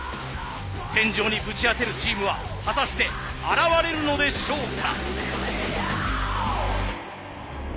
天井にぶち当てるチームは果たして現れるのでしょうか？